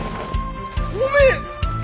おめえ！